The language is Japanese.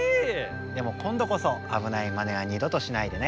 でもこんどこそあぶないまねはにどとしないでね。